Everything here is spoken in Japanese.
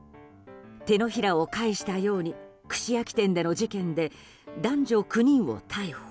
手のひらを返したように串焼き店での事件で男女９人を逮捕。